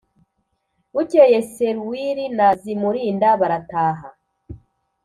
bukeye serwili na zimulinda barataha